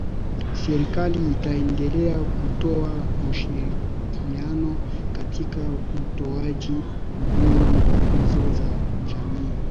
Serikali itaendelea kutoa ushirikiano katika utoaji huduma hizo za jamii